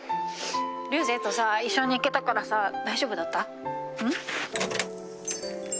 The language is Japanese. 竜成と一緒に行けたからさ大丈夫だった？